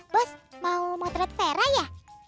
bos mau motret tera ya